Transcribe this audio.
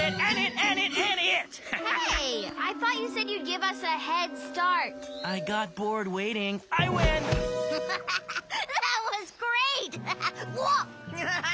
アハハハ！